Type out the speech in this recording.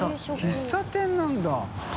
喫茶店なんだ。